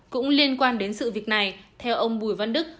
cũng liên quan đến sự việc này theo ông bùi văn đức